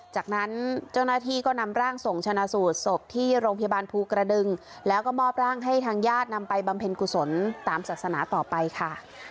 จากนั้นเจ้าหน้าที่ก็นำร่างส่งชนะสูตรศพที่โรงพยาบาลภูกระดึงแล้วก็มอบร่างให้ทางญาตินำไปบำเพ็ญกุศลตามศาสนาต่อไปค่ะ